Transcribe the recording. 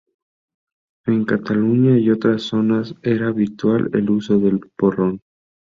En Cataluña y otras zonas era habitual el uso del porrón.